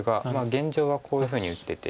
現状はこういうふうに打ってて。